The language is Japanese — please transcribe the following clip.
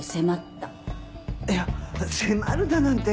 いや迫るだなんて。